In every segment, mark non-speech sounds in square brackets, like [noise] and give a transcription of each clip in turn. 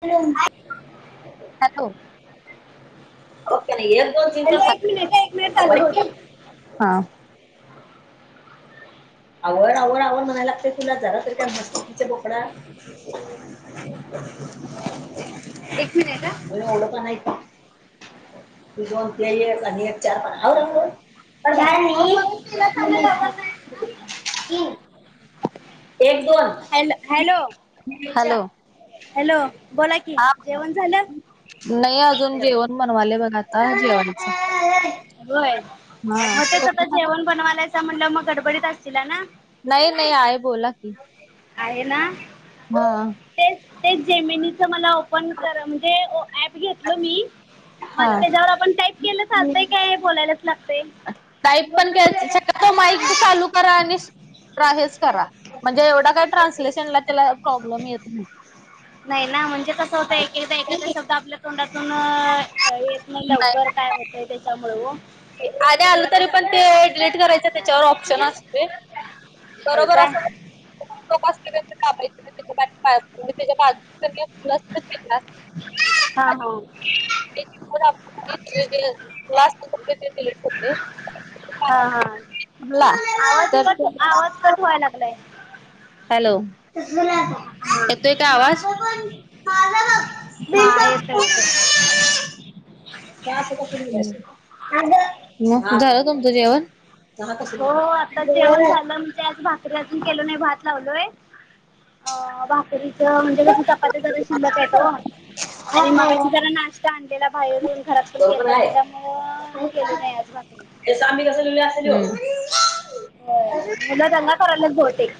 [unintelligible] Hello. Hello एक minute एक minute चालू होतो [unintelligible] आवड आवड आवड म्हणायला लागते तुला जरा तरी काय मस्तीतीचा बोपडा. [inaudible] एक मिनिट हा. ओय एवढं का नाही तुझं ते ही आणि एक चार पण हाय रंग. [unintelligible] एक दोन हॅलो हॅलो हॅलो हॅलो बोला कि हा जेवण झालं? नाही अजून जेवण बनवाले बघा आता जेवायचं. होय हा मग तेच आता जेवण बनवायच म्हणलं मग गडबडीत असतील ना? नाही नाही आय बोला की. आहे ना? हां तेच तेच जेमेनीच मला ओपन करा म्हणजे ओ ऍप घेतलं मी. मा हा जर त्याच्यावर आपण टाईप केलं चालतय काय बोलायलाच लागते? टाईप पण कायच माईक चालू करा आणि तर आहेच करा म्हणजे एवढा काय ट्रान्सलेशनला त्याला प्रॉब्लेम येत नाही. नाही ना म्हणजे कसं होतं एकदा एखादा शब्द आपलं तोंडातून येत नाही लवकर काय होतय त्याच्यामुळं हो अरे आलं तरी पण ते डिलीट करायचं त्याच्यावर ऑप्शन असते. होय बरोबर काय असलं की. [inaudible] [unintelligible] हा हा. [unintelligible] हा हा आवाज कट [unintelligible] आवाज कट व्हाय लागलंय. हॅलो येतोय का आवाज? हा येतोय येतोय [unintelligible] मग झालं तुमचं जेवण? चहा कस हो आता जेवण झालं ना आज भा करी अजून केलो नाही भात लावलोय अ भाकरीच म्हणजे [unintelligible] शिल्ल टाकावं आणि मगाशी जरा नाश्ता आणलेला बाहेरून घरात पण बरोबर केलता. आहे. त्याच्यामुळ केलो नाही आज भाकरी. [unintelligible] हो मुलं दंगा करायलात बहुतेक.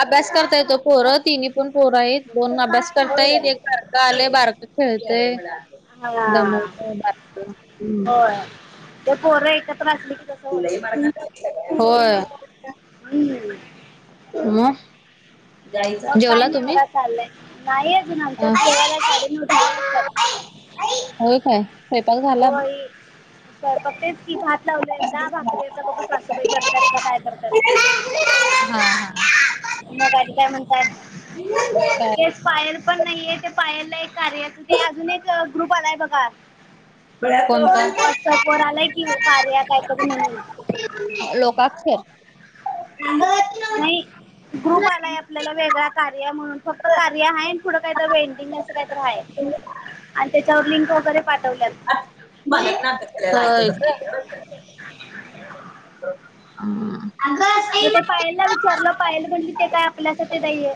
अभ्यास करतायत ओ पोर. तिन्ही पण पोर आहेत. दोन अभ्यास करता होय येत. एक बारक आलय. बारक खेळत. हा हो ते पोर एक ले की तस होताय. होय हम्म मग जायचा मग काय जेवला नाही तुम्ही? बघा चाललय. नाही अजून हा. आमच्यात जेवायला साडेनऊ दहा वाजतात. व्हय काय, स्वयंपाक झाला? होय स्वयंपाक तेच की भात लावलोय आता. भाकरी आता बघु सासूबाई करतात का काय करतात. हा हा मग आनी काय म्हणताय? केस पायर पण नाहीये. पायलला एक कार्य ते अजून एक ग्रुप आलाय बघा. [unintelligible] व्हॉट्सअप वर आलाय की कार्या काहीतरी म्हणून. लोकाक्षर नाही ग्रुप आलाय आपल्याला वेगळा कार्य म्हणून. फक्त कार्य आहे. पुढ काहीतरी वेडिंग अस काहीतरी आहे. आणि त्याच्यावर लिंक वगैरे पाठवल्यात. [unintelligible] [unintelligible] मग ते पायलला विचारल. पायल म्हणली ते काय आपल्यासाठी नाहीये.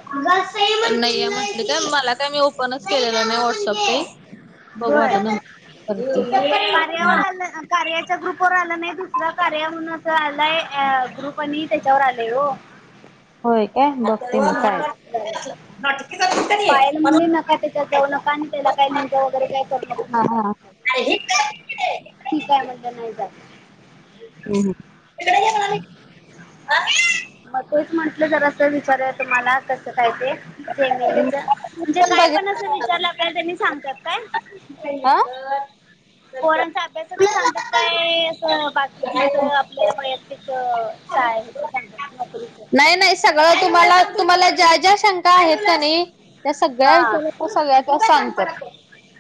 नाहीय म्हटली काय. मला काय मी ओपनच केलेला नाही व्हॉट्सअप बघु आता नंतर करते. कार्या वर आल कार्याच्या ग्रुपवर आल नाही. दुसरा कार्या म्हणून अस आलाय ग्रुप. आणि त्याच्यावर आलेय हो. होय काय ब हा अस झाल. पायल म्हणली हा नका त्याच्यात नका. आणि त्याला काय लिंक वगैरे काय करू नका. हा हम्म, ठीक आहे म्हणजे नाही जात. हुं हुं मग तोच म्हटल जरा अस विचारूया, तुम्हाला कस काय ते. जमिनीच म्हणजे काय पण असं विचारल आपल्याला त्यांनी सांगतात काय? ह पोरांचा अभ्यासाच सांगतात काय अस बाकीच आपल्याला वैयक्तिक शाळेच सांगतात. नोकरीच नाही नाही सगळ तुम्हाला तुम्हाला ज्या ज्या शंका आहेत का नाही त्या सगळ्या हा विचारल्या तर सगळ्या त्या सांगतात.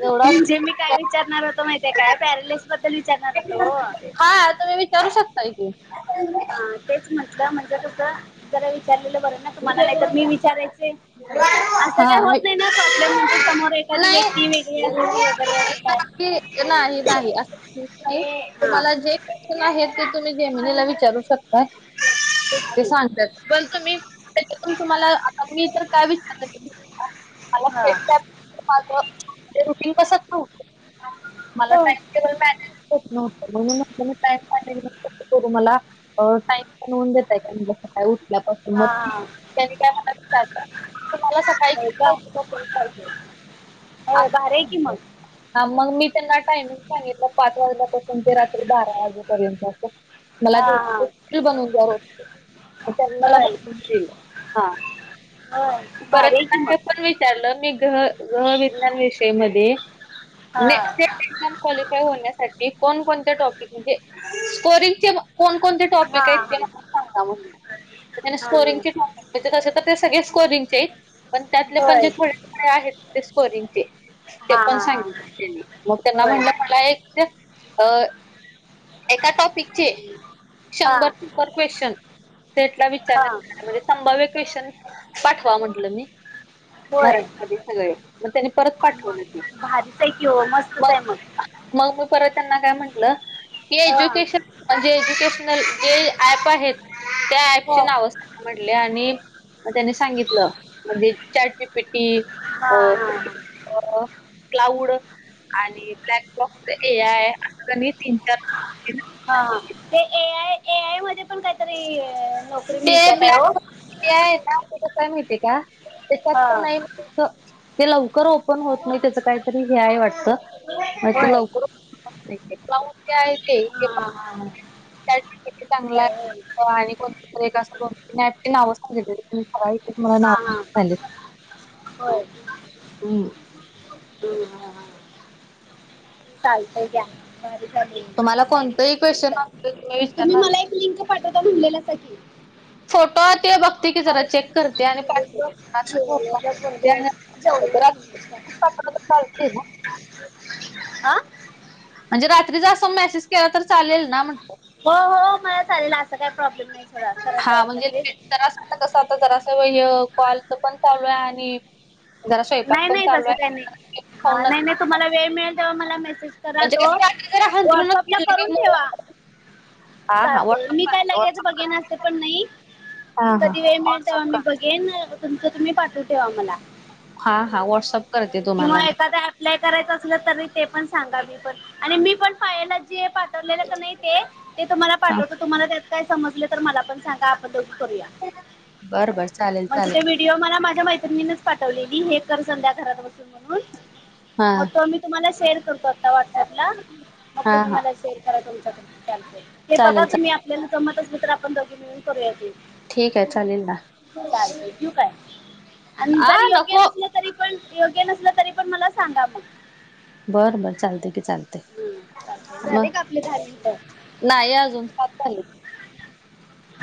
एवढा म्हणजे मी काय विचारणार होतो माहिती आहे काय, पॅरालिस बद्दल विचारणार होतो हो. हा तुम्ही विचारू शकताय की. तेच म्हटल म्हणजे कस जरा विचारलेल बर आहे ना तुम्हाला. नाही तर मी हा विचारायचे अस काय होत मी नाही ना प्रॉब्लेम. म्हणजे समोर एखादी व्यक्ती वेगळी नाही असायची वगैरे अस काय. नाही नाही अस होत नाही‌. हा तुम्हाला जे आहे ते तुम्ही जेमिनीला विचारू शकता. तेच ते की सांगत्यात. पण तुम्ही तुम्हाला आता मी तर काय विचारल हा माझ रुटीन बसत नव्हत. मला हो टाइमटेबल मॅनेजच होत नव्हत. ूनी टाइम करू मला टाइम बनवऊन देतय का जस काय उठल्यापासून हा हा त्यानी काय तुम्हाला होय का सकाळीे होय भारी आहे की मग हा मग मी त्यांना टायमिंग सांगितलं पाच वाजल्यापासून ते रात्री बारा वाजेपर्यंत असं मला हा हा बनवून त्यांला होय बईल हा होय भारी परत आहे की का हे मग पण विचारलं मी गह ग्रह विज्ञान विषयी म हा हा एक्झाम क्वालिफाय होण्यासाठी कोण कोणते टॉपिक म्हणजे स्कोरिंगचे कोणकोणते टॉपिक हा आहेतक सांगता म्हण त्यांना हा स्कोरिंगचे अस तर ते सगळ्या स्कोरिंगचे आहेत पण त्यातले पणजे होय थोडे काय आहेत स्कोरिंगचे ते हा पण हा हा सांगित हा त्यांनी मग त्यांना होय म्हटलं मला एक अ एका टॉपिकचे हा शंभर सुपर क्वेश्चन त्यातला विचार हा म्हणजे संभाव्य क्वेश्चन पाठवा म्हंटलं मी होय मराठीमध्ये सगळे मग त्यांनी परत मग पाठवलं ते भारीच आहे किवो मस्तच आहे मग मग मी परत त्यांना काय म्हटलं? की हा एजुकेशन म्हणजे एजुकेशनल जे ऍप आहेत त्या ऍप हो म्हटले त्यानी सांगित म्हणजे चॅट जिपीट हा अ हा क्लाउड आणि ब्लॅक बॉक्स ए आहे असं तीन चार हा ते ए आय ए आय मध्ये पण काहीतरी नोकरी ते मिळते काय हो ब्लॅक आहे ना ते कस माहती का हा त्याच्यात नाही त्या ते लवकर ओपन होत नाही त्याच काहीतरी हेय वाटत मा [unintelligible] ते [unintelligible] होय लवकरच लान [unintelligible] ते आहे ते हा हा हा त्या चांगलं होय आहे आणि कोण अस नावच सांगितली. हा हा [inaudible] होय [unintelligible] [inaudible] चालतंय घ्या ब चाले तुम्हाला मला सांगितलं कोणतंही बर क्वेश्चन झाल असलं तुम्ही विचारला मला एक लिंक पाठवता म्हणलेल्या साकी फोटो ते बघ ते जरा चेक करते आणि पाठवते [inaudible] [unintelligible] ते ना [unintelligible] हा म्हणजे रात्री जा असं मेसेज केला तर चालेल ना म्हटलं हो हो मला चालेल असं काही प्रॉब्लेम नाही सोडा करत जावा मॅसेज आ जरा असं व कॉल तर पण चालू आहे आणि जरा स्वयंपाक नाही पण नाही चालू तसं काही नाही आहे हा खाऊन नाही नाही तुम्हाला वेळ मिळेल तेव्हा मला मेसेज करा म्हणजे तो, कसं रात्री जरा हंतरूनच व्हॉट्सअपला पडलं की करून मग ठेवा. हा हा चालतय व्हॉट्सअप मी काय करते लगेचं व्हॉट्सअप बघेन अस ते करते. पण नाही. हा कधी हा वेळ मिळेल व्हॉट्सअप तेव्हा करते. बघेन तुमच तुम्ही पाठव ठेवा मला हा हा व्हॉट्सअप करते किंवा तुम्हाला मी. एखादा ॲप्लाय करायचं असलं तरी ते पण सांगा मी पण आणि मी पण पाहिला पाठवले नाही ते ते तुम्हाला हा पाठवत तुम्हाला त्यात काय समज तर मला पण सांगा. मिळुन करुया बरं बरं चालेल म्हणजे ते चालेल. ह्यो मला माझ्या मैत्रिणीनी पाठवलेली हे कर संध्या घरात हा बसुन तुम्हाला शेअर करतो आता व्हॉट्सअप ला मग हा तुम्ही हा मला शेअर करा तुमच्याक [unintelligible] चालतय ते बघा चालेल चालेल. तुम्ही आपल्याला जमत असेल तर आपण दोघी मिळुन करु करूया ठीक आहे चालेल ना. चालतय ठेवु काय? आणि आ तर योग्य नको. नसल योग्य नसल तरी पण मला सांगा पण. बर बरं चालते की चालते हं, चालते झाले मग. का आपले दहा मिनटं नाही अजून सात झालीत.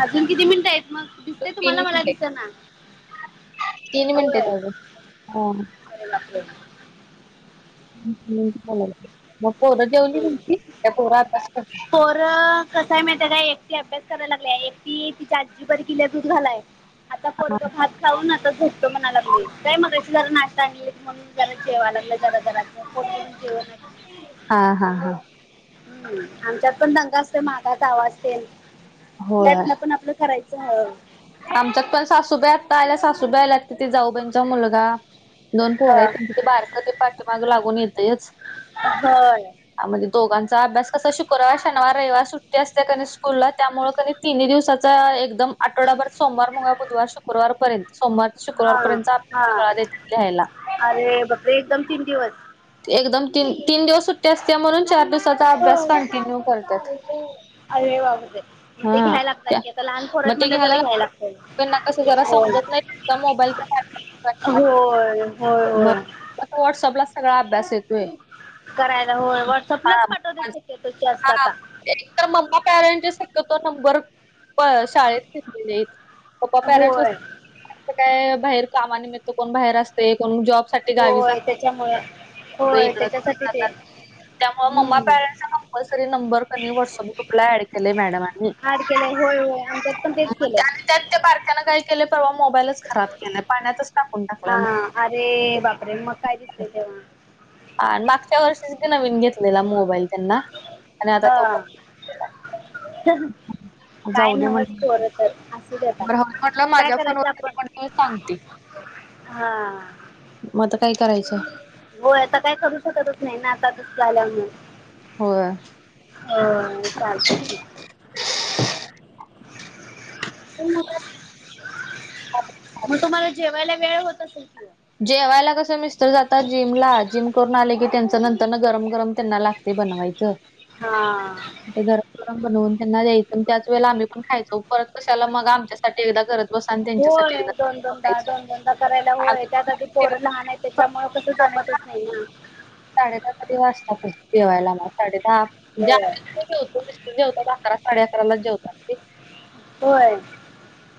अजून किती मिनीटं आहेत मग? दिसतय तीन तुम्हाला मला मिनिटे दिसनाय? तीन मिनिटेत होय. अजून. [unintelligible] आरे बापरे मग पोरं जेवली नव्हती त्या पोर आभ्यास पोर कसय माहिती काय? एक ती अभ्यास करायला लागली एक तिच्या आजीबर गेलीय दूध घालायला. आता पोरग [unintelligible] खाऊन आता झोपतो म्हणाला लागलय काय मगाशी जरा नाश्ता आणली म्हणून जरा जेवा लागला जरा जरा. पोट भरून जेवण. हा हा हा. हं आमच्यात पण दंग असतो मागच आवाजतेन होय त्यातन पण आपलं करायचं हळुहळु आमच्यात पण सासूबाई आत्ता आल्या सासूबाई आल्यात तीथे जाऊबाईंचा मुलगा. दोन पोर ह आहेत तर ते बारक पाठीमाग लागून येतंयच. [unintelligible] मध्ये दोघांचा अभ्यास कसा शुक्रवार, शनिवार, रविवार सुट्टी असते कनाय स्कूलला. त्यामुळे कणी तिन्ही दिवसाचा एकदम आठवडाभर सोमवार, मंगळवार, बुधवार, शुक्रवारपर्यंत, सोमवार शुक्रवार हा पर्यंत अभ्यास हा सगळा त्याच्यात लिहायला. अरे बापरे एकदम तीन दिवस एकदम त तीन दिवस सुट्टी असते म्हणून चार दिवसाचा अभ्यास कंटिन्यू करतात. आरे बापरे मग ते हां. घ्यायला लागतात त्या कि आता लहान पोर मग आहेत ते म्हणलं तर घ्यायला लागले लागत त्यांना कसं जरा हो. समजत नाही नुसता मोबाईलचा होय होय होय आता व्हॉट्सआपला सगळा अभ्यास येतोय. करायला होय व्हॉट्सअपलाच पाठवतात शक्यतोवर जास्त आता. एक तर मम्मा पॅरंट जेस तो नंबर शाळेत घेतलेलेे. पप्पा पॅरेंट्स होय असं काय बाहेर कामानिमित्त कोण बाहेर असते कोण जॉब. होय त्याच्यामुळ कुठे होय इकडं-तिकडं त्याच्यासाठीच आहे. जातात. त्यामुळे म्मा पॅरेंटसचा कंपल्सरी नंबर कनी व्हॉट्सअप ग्रुप ऍड केलेय मॅडमनी. अड केलंय होय होय आमच्यात पण तेच मग केलंय. त्याने त्यात त्या बारक्यानं काय केलं परवा मोबाईलच खराब केलाय पाण्यातच टाकून टाकलाय. हा अरे बापरे मग काय दिसतय तेव्हा. मागच्या वर्षीच नवीन घेतलेला मोबाईल त्यांना आणि आता तो हा. पाण्यात [unintelligible] काय दे नवच म्हणली पोर तर असू दे आता बरं हवं म्हटलं काय माझ्या फोनवर करायचं आपण. म्हटलं मी सांगते हा. मग आता काय करायचं. होय. आता काय करू शकतच नाही. ना आता तसं झाल्या वर्ण. हो. हो चालतय की. मग तुम्हाला जेवायला वेळ होत असेल कि. जेवायला कसं मिस्टर जातात जिमला जिम करून आले की त्यांच नंतर न गरम गरम त्यांना लागत. ते बनवायचं. हा ते गरम गरम बनवून त्यांना द्यायचं त्याच वेळेला आम्ही पण खायचो परत कशाला मग आमच्यासाठी करत. बसा आणि होय त्यांच्यासाठी एकदा दोन करत दोनदा बसायचं दोन दोनदा करायला होय त्या. माझी आम्ही पोरं लहान आहे त्याच्यामुळे कसं पण जमतच नाही ना साडे दहा तरी वाजतात जेवायला आम्हाला साडे दहा होय जेवतो मिस्टर जेवतात अकरा साडे अकराला जेवतात. ते होय!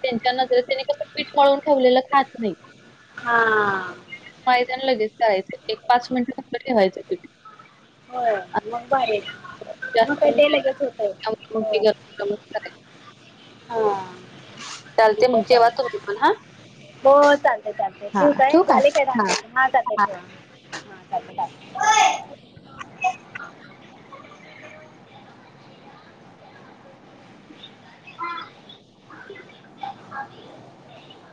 त्यांच्या नजरेन त्यांनी कसं पीठ मळून ठेवलेलं खात नाहीत. हा! पाहिजण लागीच तळायचं एक पाच मिनिट फक्त ठेवायचं पीठ. हो मग भारी हाय की जास्त मग काय नाही ते ठेवायचं. लगेच होतय त्यामुळे हो. [unintelligible] हा! चालतंय मग जेव्हा तुम्ही पण हा. हो चालतय चालतय हा ठेऊ काय ठेवू का? झाले काय दहा मिनिट हा चालतय हा चालतय बाय. हा. [inaudible]